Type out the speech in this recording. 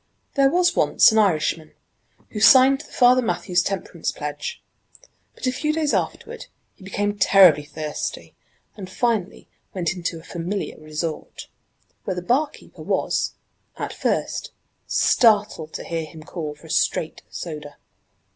There was once an Irishman, who signed the Father Mathew's temperance pledge. But a few days afterward he became terribly thirsty, and finally went into a familiar resort, where the barkeeper was, at first, startled to hear him call for a 'straight' soda.